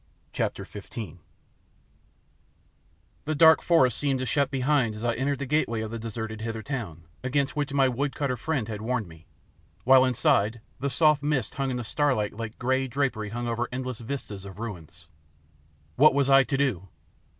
CHAPTER XV The dark forest seemed to shut behind as I entered the gateway of the deserted Hither town, against which my wood cutter friend had warned me, while inside the soft mist hung in the starlight like grey drapery over endless vistas of ruins. What was I to do?